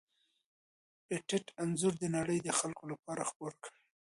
پېټټ انځور د نړۍ د خلکو لپاره خپور کړ.